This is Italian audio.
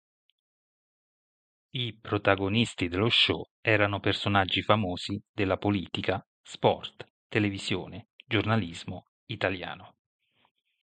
I protagonisti dello show erano personaggi famosi della politica, sport, televisione, giornalismo italiano.